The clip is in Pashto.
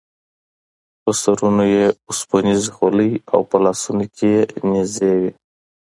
په سرونو یې اوسپنیزې خولۍ او په لاسونو کې یې نیزې وې.